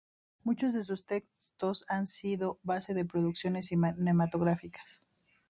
Muchos de sus textos han sido base de producciones cinematográficas.